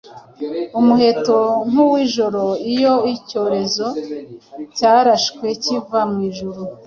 umuheto nkuw'ijoro, Iyo icyorezo cyarashwe kiva mwijuru: